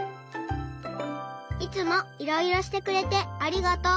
いつもいろいろしてくれてありがとう。